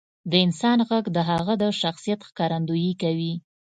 • د انسان ږغ د هغه د شخصیت ښکارندویي کوي.